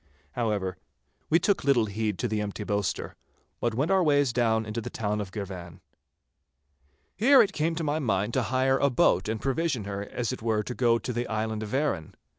However, we took little heed to the empty boaster, but went our ways down into the town of Girvan. Here it came to my mind to hire a boat and provision her as it were to go to the island of Arran.